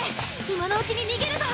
今のうちに逃げるぞ！